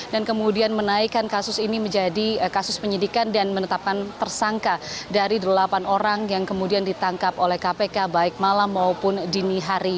dan kemudian menaikkan kasus ini menjadi kasus penyidikan dan menetapkan tersangka dari delapan orang yang kemudian ditangkap oleh kpk baik malam maupun dini hari